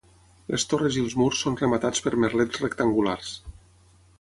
Les torres i els murs són rematats per merlets rectangulars.